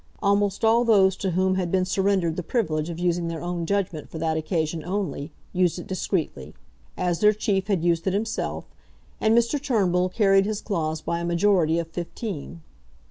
Almost all those to whom had been surrendered the privilege of using their own judgment for that occasion only, used it discreetly, as their chief had used it himself, and Mr. Turnbull carried his clause by a majority of fifteen.